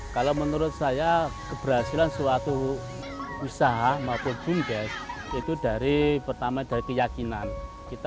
kalau menurut saya keberhasilan suatu usaha maupun bumdes itu dari pertama dari keyakinan kita